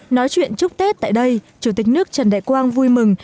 nói chuyện chúc tết tại đây chủ tịch nước trần đại quang vui mừng